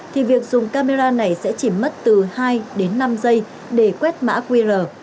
thì việc dùng camera này sẽ chỉ mất từ hai đến năm giây để quét mã qr